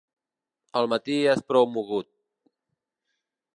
El matí és prou mogut.